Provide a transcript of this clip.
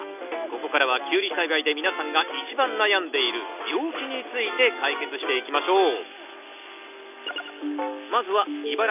ここからはキュウリ栽培で皆さんが一番悩んでいる病気について解決していきましょう。